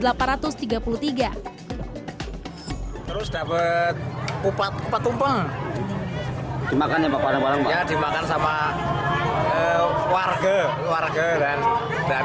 harus dapat kupat kupat tumpang dimakan ya pak warna warna dimakan sama warga warga dan